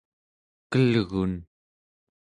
kelgun